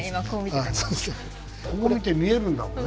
こう見て見えるんだもんね。